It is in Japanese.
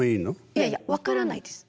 いやいや分からないです。